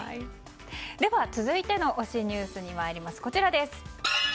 では続いての推しニュースに行きます。